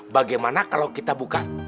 bagaimana kalau kita buka